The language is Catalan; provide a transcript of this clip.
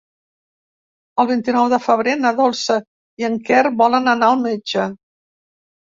El vint-i-nou de febrer na Dolça i en Quer volen anar al metge.